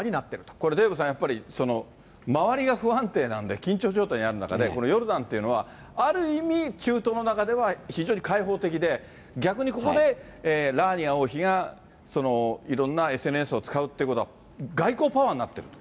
これデーブさん、やっぱり周りが不安定なんで、緊張状態にある中で、このヨルダンというのは、ある意味、中東の中では非常に開放的で、逆にここでラーニア王妃が、いろんなＳＮＳを使うっていうことは外交パワーになっている。